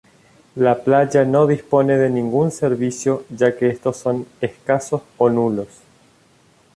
La playa no dispone de ningún servicio ya que estos son escasos o nulos.